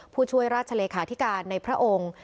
ผู้ช่วยราชเลขาธิการในพระองค์